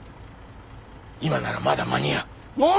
今ならまだ間に合う。